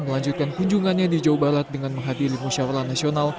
melanjutkan kunjungannya di jawa barat dengan menghadiri musyawarah nasional